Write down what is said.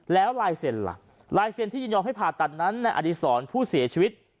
แล้วลายเซ็นล่ะลายเซ็นที่ยินยอมให้ผ่าตัดนั้นในอดีศรผู้เสียชีวิต